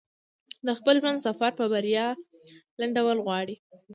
د خپل ژوند سفر په بريا لنډول غواړي.